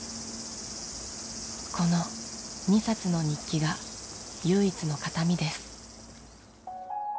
この２冊の日記が唯一の形見です。